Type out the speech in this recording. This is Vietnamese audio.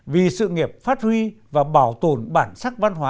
vì sự nghiệp phát huy và bảo tồn bản sắc văn hóa